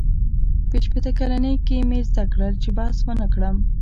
• په شپېته کلنۍ کې مې زده کړل، چې بحث ونهکړم.